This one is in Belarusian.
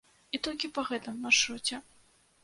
І толькі па гэтым маршруце.